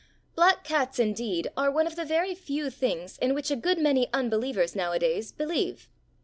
Black cats, indeed, are one of the very few things in which a good many unbelievers nowadays believe.